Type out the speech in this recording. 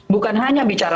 bukan hanya bicara